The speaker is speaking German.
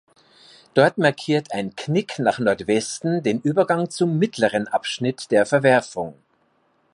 Dort markiert ein Knick nach Nordwesten den Übergang zum "mittleren Abschnitt" der Verwerfung.